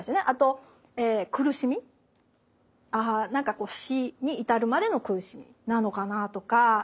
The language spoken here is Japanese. あと苦しみ何か死に至るまでの苦しみなのかなとか。